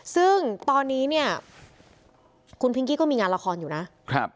ซึ่งตอนนี้เนี่ยคุณพิงกี้ก็มีงานละครอยู่นะครับ